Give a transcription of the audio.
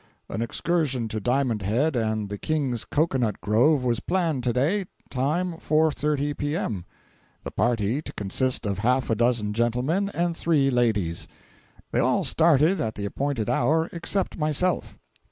An excursion to Diamond Head and the King's Coacoanut Grove was planned to day—time, 4:30 P.M.—the party to consist of half a dozen gentlemen and three ladies. They all started at the appointed hour except myself.